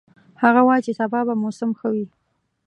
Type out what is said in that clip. هغه وایي چې سبا به موسم ښه وي